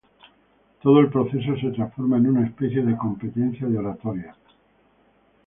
Todo el proceso se transforma en una especie de competencia de oratoria.